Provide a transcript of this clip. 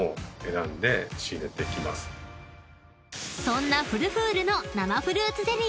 ［そんな「フルフール」の生フルーツゼリー］